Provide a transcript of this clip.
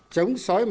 trống xói mò